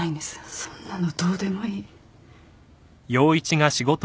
そんなのどうでもいい。